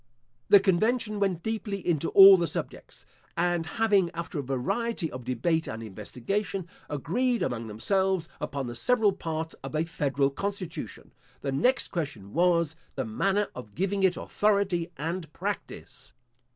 The convention went deeply into all the subjects; and having, after a variety of debate and investigation, agreed among themselves upon the several parts of a federal constitution, the next question was, the manner of giving it authority and practice.